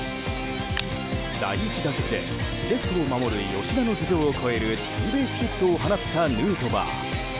第１打席でレフトを守る吉田の頭上を越えるツーベースヒットを放ったヌートバー。